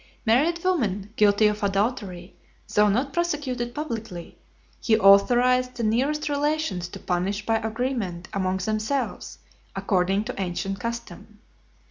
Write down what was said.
XXXV. Married women guilty of adultery, though not prosecuted publicly, he authorised the nearest relations to punish by agreement among themselves, according to ancient custom.